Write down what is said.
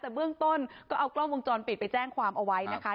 แต่เบื้องต้นก็เอากล้องวงจรปิดไปแจ้งความเอาไว้นะคะ